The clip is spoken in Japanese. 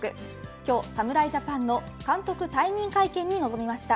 今日侍ジャパンの監督退任会見に臨みました。